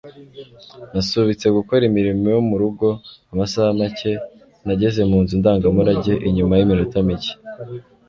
Nasubitse gukora imirimo yo mu rugo amasaha make. Nageze mu nzu ndangamurage nyuma yiminota mike.